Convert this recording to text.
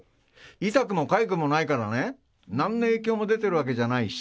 痛くもかゆくもないからね、なんの影響も出てるわけじゃないし。